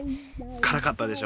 からかったでしょ？